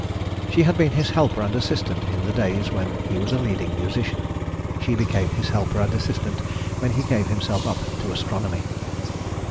She had been his helper and assistant in the days when he was a leading musician; she became his helper and assistant when he gave himself up to astronomy.